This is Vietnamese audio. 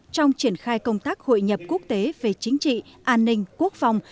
trong triển khai công tác hội nhập quốc tế về chính trị an ninh quốc phòng